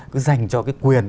cứ dành cho cái quyền